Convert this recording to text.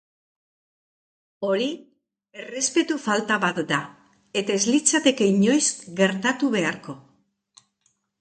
Hori errespetu falta bat da, eta ez litzateke inoiz gertatu beharko.